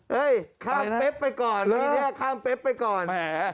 เฮ้ยข้างเป๊บไปก่อนมีเนี่ยข้างเป๊บไปก่อนแหม